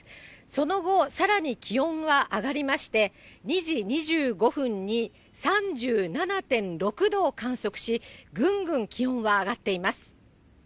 その後、さらに気温は上がりまして、２時２５分に３７．６度を観測し、ぐんぐん気温は上がっています。